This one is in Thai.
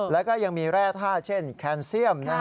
แล้วก็ยังมีแร่ท่าเช่นแคนเซียม